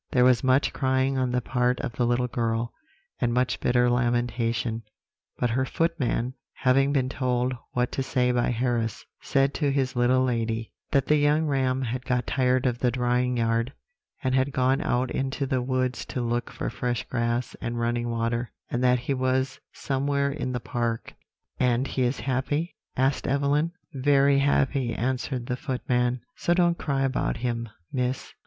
There was much crying on the part of the little girl, and much bitter lamentation but her footman, having been told what to say by Harris, said to his little lady, that the young ram had got tired of the drying yard, and had gone out into the woods to look for fresh grass and running water, and that he was somewhere in the park. "'And is he happy?' asked Evelyn. "'Very happy,' answered the footman; 'so don't cry about him, Miss.'